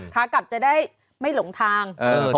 ขากลับจะได้ไม่หลงทาง